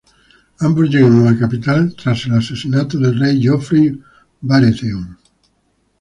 Ambos llegan a la capital tras el asesinato del rey Joffrey Baratheon.